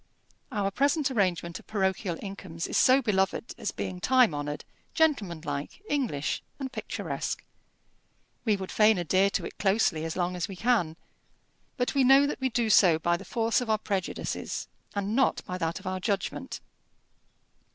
Our present arrangement of parochial incomes is beloved as being time honoured, gentlemanlike, English, and picturesque. We would fain adhere to it closely as long as we can, but we know that we do so by the force of our prejudices, and not by that of our judgment.